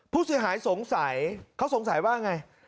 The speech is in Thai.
ผู้เสียหายสงสัยเขาสงสัยว่าไง